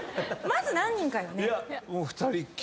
まず何人かよね。